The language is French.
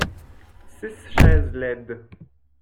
Six chaises laides.